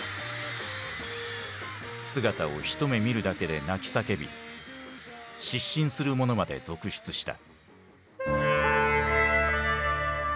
姿を一目見るだけで泣き叫び失神する者まで続出した。